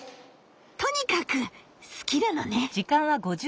とにかく好きなのね。